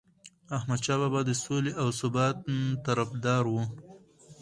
احمدشاه بابا د سولې او ثبات طرفدار و.